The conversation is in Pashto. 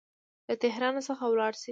له تهران څخه ولاړ سي.